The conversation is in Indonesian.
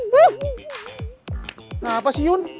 kenapa sih yun